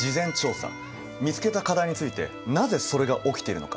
見つけた課題についてなぜそれが起きているのか？